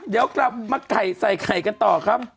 เรากลับไก่ใส่ไก่กันต่อครับ